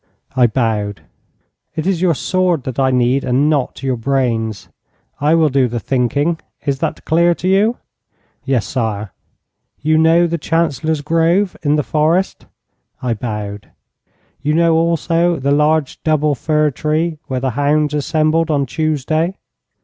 I bowed. 'It is your sword that I need, and not your brains. I will do the thinking. Is that clear to you?' 'Yes, sire.' 'You know the Chancellor's Grove, in the forest?' I bowed. 'You know also the large double fir tree where the hounds assembled on Tuesday?'